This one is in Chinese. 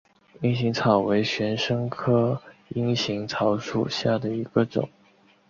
阴行草为玄参科阴行草属下的一个种。